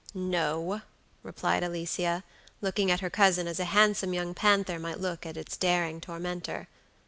"No," replied Alicia, looking at her cousin as a handsome young panther might look at its daring tormentor.